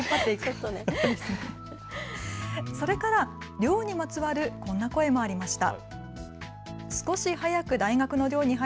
それから寮にまつわるこんな声もありました。